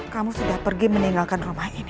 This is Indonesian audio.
kamu sudah pergi meninggalkan rumah ini